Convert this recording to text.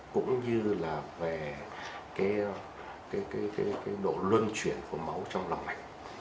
cũng như là về cái độ luân chuyển của máu trong lòng mạch